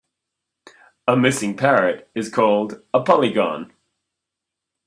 A missing parrot is called a polygon.